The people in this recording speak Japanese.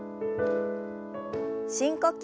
深呼吸。